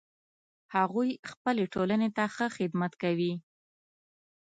هغوی خپلې ټولنې ته ښه خدمت کوي